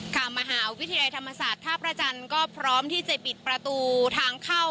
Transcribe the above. มหาวิทยาลัยธรรมศาสตร์ท่าพระจันทร์ก็พร้อมที่จะปิดประตูทางเข้า